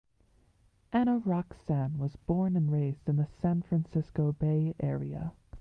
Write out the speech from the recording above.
Ana Roxanne was born and raised in the San Francisco Bay Area.